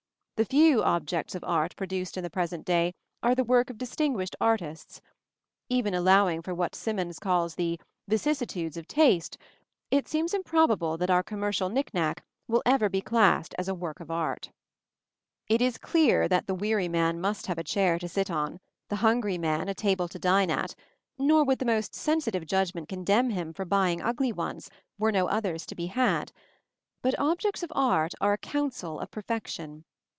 The few objects of art produced in the present day are the work of distinguished artists. Even allowing for what Symonds calls the "vicissitudes of taste," it seems improbable that our commercial knick knack will ever be classed as a work of art. [Illustration: PLATE LVI. BRONZE ANDIRON. VENETIAN SCHOOL. XVI CENTURY.] It is clear that the weary man must have a chair to sit on, the hungry man a table to dine at; nor would the most sensitive judgment condemn him for buying ugly ones, were no others to be had; but objects of art are a counsel of perfection.